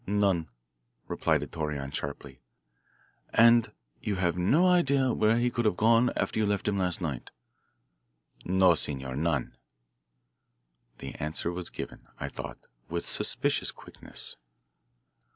"None," replied Torreon sharply. "And you have no idea where he could have gone after you left him last night?" "No, senor, none." This answer was given, I thought, with suspicious quickness.